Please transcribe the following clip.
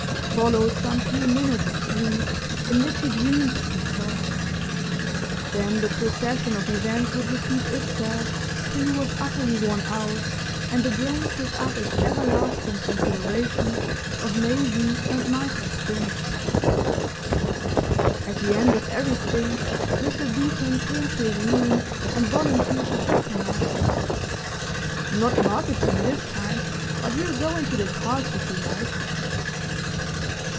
Followed some few minutes of sleep in which he dreamed that he saw. Then the procession of events would repeat itself till he was utterly worn out and the brain took up its everlasting consideration of Maisie and might have beens. At the end of everything Mr. Beeton came to his room and volunteered to take him out. "Not marketing this time, but we'll go into the Parks if you like."